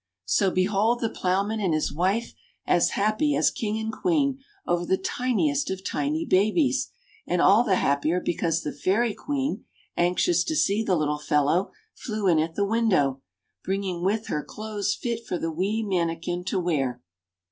So behold the ploughman and his wife as happy as King and Queen over the tiniest of tiny babies ; and all the happier because the Fairy Queen, anxious to see the little fellow, flew in at the window, bringing with her clothes fit for the wee mannikin to wear.